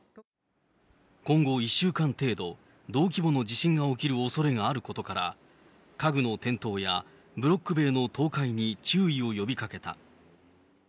今後１週間程度、同規模の地震が起きるおそれがあることから、家具の転倒やブロック塀の倒壊に注意を呼びかけた。